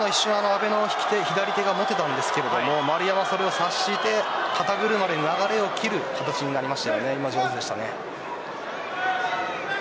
阿部の引き手左手が抜けましたが丸山がそれを察して肩車で流れを切る形になりました。